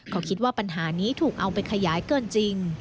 เขาคิดว่าปัญหานี้ถูกเอาไปขยายเกินจริง